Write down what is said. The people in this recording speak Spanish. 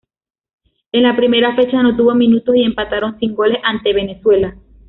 En la primera fecha, no tuvo minutos y empataron sin goles ante Venezuela.